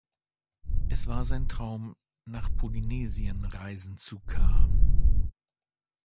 Es war sein Traum nach Polynesien reisen zu k